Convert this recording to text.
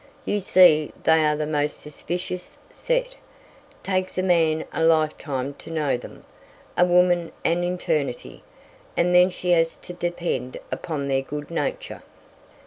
"You see they are the most suspicious set takes a man a lifetime to know them, a woman an eternity, and then she has to depend upon their good nature."